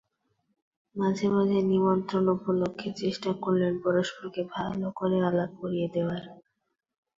মাঝে মাঝে নিমন্ত্রণ উপলক্ষে চেষ্টা করলেন পরস্পরকে ভালো করে আলাপ করিয়ে দেবার।